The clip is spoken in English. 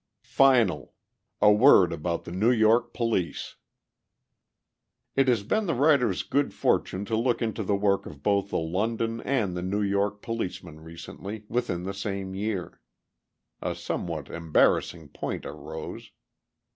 FINAL A WORD ABOUT THE NEW YORK POLICE It has been the writer's good fortune to look into the work of both the London and the New York policemen recently, within the same year. A somewhat embarrassing point arose.